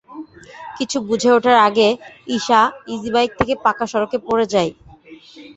কিছু বুঝে ওঠার আগে ইশা ইজিবাইক থেকে পাকা সড়কে পড়ে যায়।